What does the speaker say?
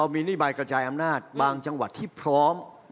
มีนโยบายกระจายอำนาจบางจังหวัดที่พร้อม